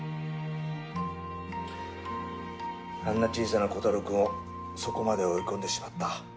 あんな小さなコタローくんをそこまで追い込んでしまった。